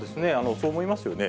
そう思いますよね。